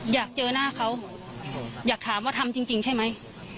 อยากเจอหน้าเขาอยากถามว่าทำจริงใช่ไหม